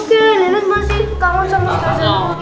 kalian masih kawan sama ustaz zanur